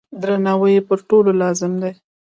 درناوی یې پر ټولو لازم دی.